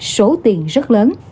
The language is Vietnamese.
số tiền rất lớn